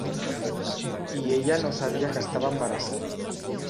I ella no sabia que estava embarassada.